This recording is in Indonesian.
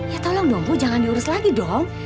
ya tolong dong bu jangan diurus lagi dong